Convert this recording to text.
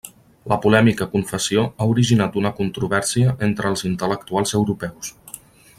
La polèmica confessió ha originat una controvèrsia entre els intel·lectuals europeus.